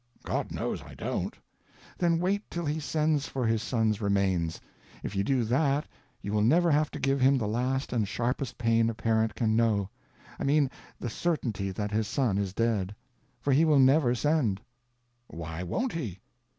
"God knows I don't!" "Then wait till he sends for his son's remains. If you do that, you will never have to give him the last and sharpest pain a parent can know—I mean, the certainty that his son is dead. For he will never send." "Why won't he?"